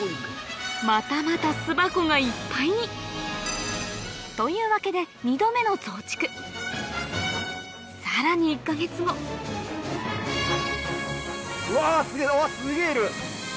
またまた巣箱がいっぱいに！というわけでさらに１か月後うわすげぇすげぇいる！